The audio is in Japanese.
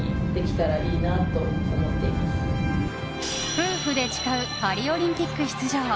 夫婦で誓うパリオリンピック出場。